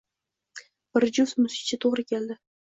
Bir juft musicha to’g’ri keldi.